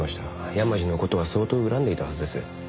山路の事は相当恨んでいたはずです。